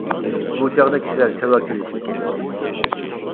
بۇ چاغدا، كىشىلەر چاۋاك چېلىشىپ كەتتى.